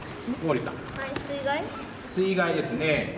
「水害」ですね。